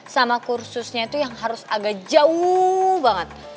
sama kursusnya itu yang harus agak jauh banget